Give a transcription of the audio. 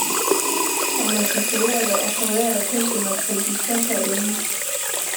amashusho yayo akaba yarakozwe na Producer Karenzo